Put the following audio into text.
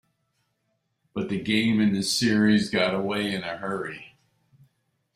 But the game and the series got away in a hurry.